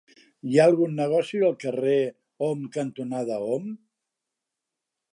Hi ha algun negoci al carrer Om cantonada Om?